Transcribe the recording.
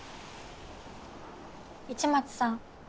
市松さん。